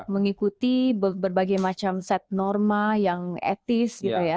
mengikuti berbagai macam set norma yang etis